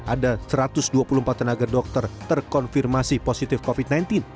ada satu ratus dua puluh empat tenaga dokter terkonfirmasi positif covid sembilan belas